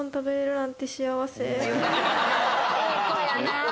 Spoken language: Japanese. ええ子やなあ。